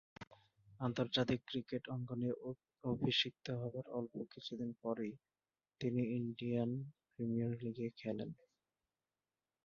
আন্তর্জাতিক ক্রিকেট অঙ্গনে অভিষিক্ত হবার অল্প কিছুদিন পরই তিনি ইন্ডিয়ান প্রিমিয়ার লীগে খেলেন।